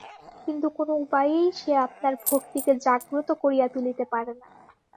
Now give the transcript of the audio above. কিন্তু কোনো উপায়েই সে আপনার ভক্তিকে জাগ্রত করিয়া তুলিতে পারে না।